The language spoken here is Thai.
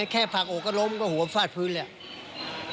แค่พักโอกก็ล้มก็หัวเรือฟาดด้วย